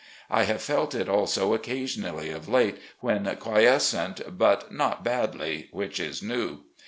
I have felt it also occasionally of late when quiescent, but not badly, which is new.